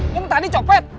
yang tadi copet